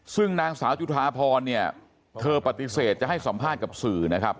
ซึ่งนางสาวจุธาพรเนี่ยเธอปฏิเสธจะให้สัมภาษณ์กับสื่อนะครับ